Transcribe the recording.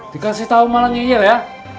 dikasih tau malah nyanyi ya